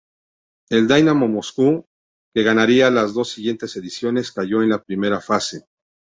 El Dynamo Moscú, que ganaría las dos siguientes ediciones, cayó en la primera fase.